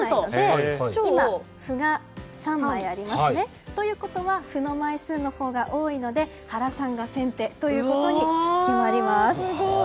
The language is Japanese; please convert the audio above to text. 今、「歩」が３枚ありますね。ということは「歩」の枚数のほうが多いので原さんが先手と決まります。